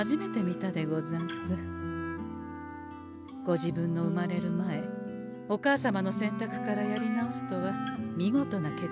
ご自分の生まれる前お母様の選択からやり直すとは見事な決断だったでござんす。